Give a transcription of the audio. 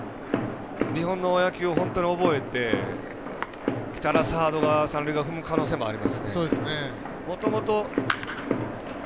日本の野球を本当に覚えてきたら三塁側を踏む可能性もありますね。